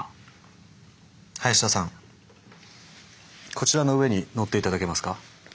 こちらの上に乗って頂けますか？